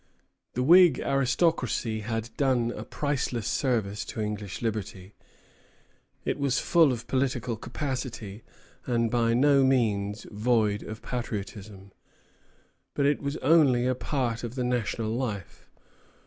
The Whig aristocracy had done a priceless service to English liberty. It was full of political capacity, and by no means void of patriotism; but it was only a part of the national life.